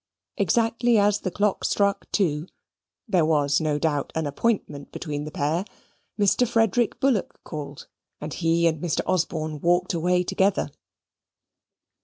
Exactly as the clock struck two (there was no doubt an appointment between the pair) Mr. Frederick Bullock called, and he and Mr. Osborne walked away together.